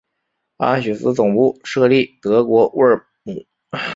安许茨总部设于德国乌尔姆。